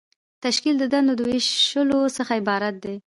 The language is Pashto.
تشکیل د دندو د ویشلو څخه عبارت دی.